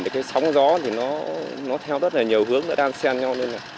cửa biển sóng gió theo rất nhiều hướng đang xen nhau lên